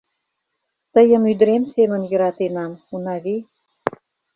Тыйым ӱдырем семын йӧратенам, Унави...